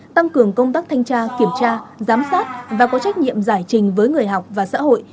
tăng cường công tác thanh tra kiểm tra giám sát và có trách nhiệm giải trình với người học và xã hội